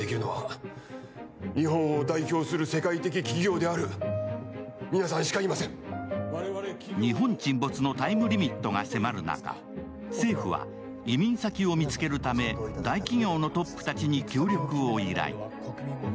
また、あるときにタモリさんからもらった言葉が日本沈没のタイムリミットが迫る中、政府は移民先を見つけるため、大企業のトップたちに協力を依頼。